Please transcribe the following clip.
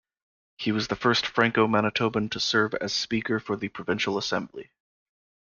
He was the first Franco-Manitoban to serve as speaker for the provincial assembly.